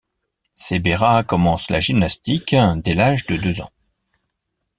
Sebera commence la gymnastique dés l'âge de deux ans.